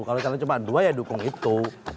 kalau karena cuma dua ya dukung itu